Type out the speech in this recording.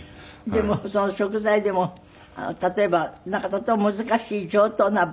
でもその食材でも例えばなんかとっても難しい上等なバターとかお肉とか。